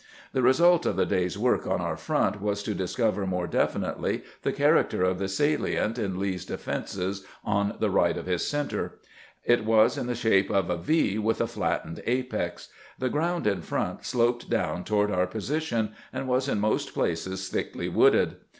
The result of the day's work on our front was to dis cover more definitely the character of the salient in Lee's defenses on the right of his center. It was in the shape of a V with a flattened apex. The ground in front sloped down toward our position, and was in most places thickly wooded.